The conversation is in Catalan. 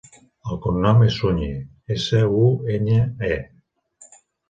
El cognom és Suñe: essa, u, enya, e.